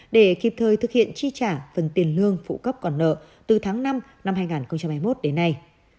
để kịp thời thực hiện chi trả phần tiền lương phụ cấp còn nợ từ tháng năm năm hai nghìn hai mươi một đến nay